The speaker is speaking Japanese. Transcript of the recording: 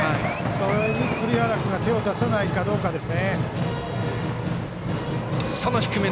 それに栗原君が手を出さないかどうかです。